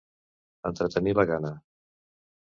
Entretenir la gana.